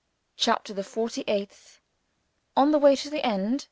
CHAPTER THE FORTY EIGHTH On the Way to the End.